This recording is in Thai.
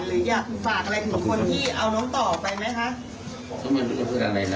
หรืออยากฝากอะไรถึงคนที่เอาน้องต่อไปไหมฮะ